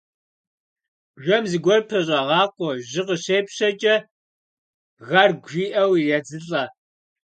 Бжэм зыгуэр пэщӏэгъакъуэ, жьы къыщепщэкӏэ, «гаргу» жиӏэу иредзылӏэ.